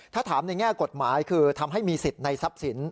ถ้าถามในแง่กฎหมายคือทำให้มีสิทธิ์ในทรัพย์สิน